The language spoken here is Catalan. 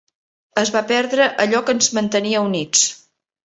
Es va perdre allò que ens mantenia units.